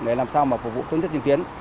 để làm sao mà phục vụ tốn chất truyền tiến